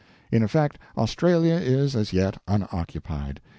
In effect, Australia is as yet unoccupied.